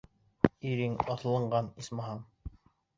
Ирең аҫылынған, исмаһам.